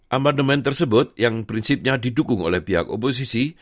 amandemen tersebut yang prinsipnya didukung oleh pihak oposisi